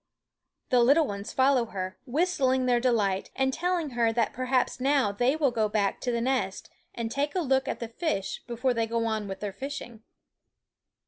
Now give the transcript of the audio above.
The little ones follow her, whistling their delight, and telling her that perhaps now they will go back to the nest and take a look at the fish before they go on with their fishing.